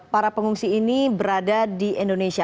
para pengungsi ini berada di indonesia